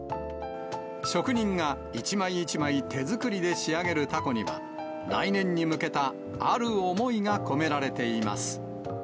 職人が一枚一枚、手作りで仕上げるたこには、来年に向けたある思いが込められています。